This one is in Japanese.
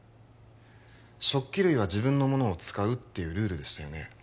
食器類は自分のものを使うっていうルールでしたよね？